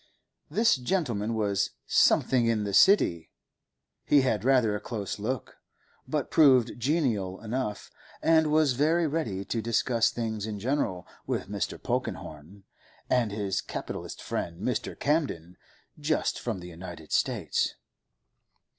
This gentleman was 'something in the City;' he had rather a close look, but proved genial enough, and was very ready to discuss things in general with Mr. Polkenhorne and his capitalist friend Mr. Camden, just from the United States.